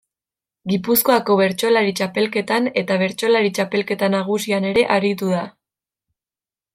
Gipuzkoako Bertsolari Txapelketan eta Bertsolari Txapelketa Nagusian ere aritu da.